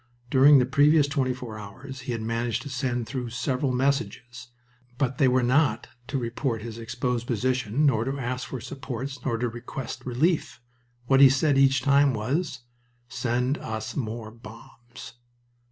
During the previous twenty four hours he had managed to send through several messages, but they were not to report his exposed position nor to ask for supports nor to request relief. What he said each time was, "Send us more bombs."